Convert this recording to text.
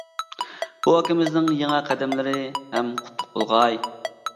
بۇ ئاكىمىزنىڭ يېڭى قەدەملىرى ھەم قۇتلۇق بولغاي!